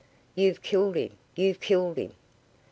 "You've killed him! You've killed him!"